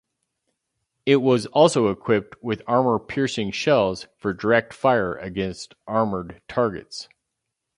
It was also equipped with armour-piercing shells for direct fire against armoured targets.